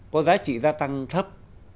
có giá trị gia tăng thấp